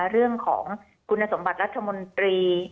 เรื่องของคุณสมบัติรัฐมนตรี